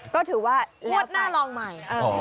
ก็ถือว่างวดหน้าลองใหม่